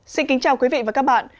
xin kính chào quý vị và các bạn